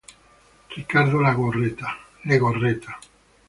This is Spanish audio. Ricardo Legorreta.